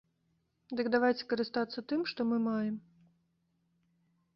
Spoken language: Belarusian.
Дык давайце карыстацца тым, што мы маем.